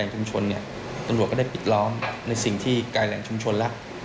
แหล่งชุมชนเนี่ยตัวโหลดก็ได้ปิดล้อมในสิ่งที่กลายแหล่งชุมชนแล้ว